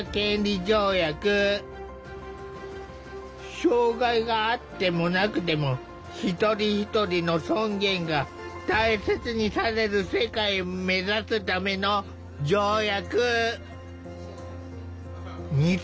障害があってもなくても一人一人の尊厳が大切にされる世界を目指すための条約。